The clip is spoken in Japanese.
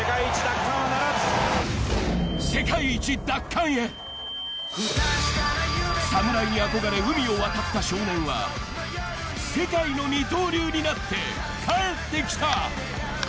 世界一奪還へ、侍に憧れ、海を渡った少年は世界の二刀流になって帰ってきた。